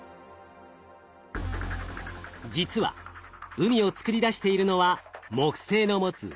実は海を作り出しているのは木星の持つ強い重力。